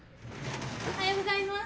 おはようございます。